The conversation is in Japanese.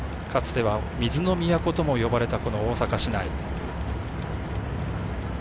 かつては水の都とも呼ばれた大阪市内。